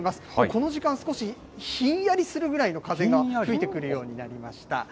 この時間、少しひんやりするぐらいの風が吹いてくるようになりました。